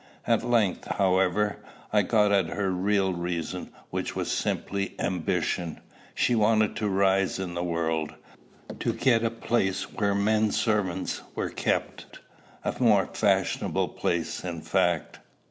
At length, however, I got at her real reason, which was simply ambition: she wanted to rise in the world, to get a place where men servants were kept, a more fashionable place, in fact."